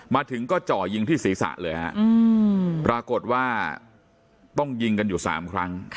มาถึงก็เจาะยิงที่ศีรษะเลยฮะปรากฏว่าต้องยิงกันอยู่๓ครั้ง